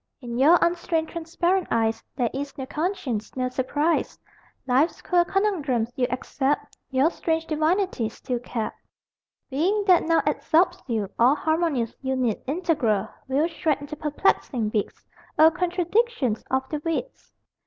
In your unstained transparent eyes There is no conscience, no surprise: Life's queer conundrums you accept, Your strange divinity still kept. Being, that now absorbs you, all Harmonious, unit, integral, Will shred into perplexing bits, Oh, contradictions of the wits!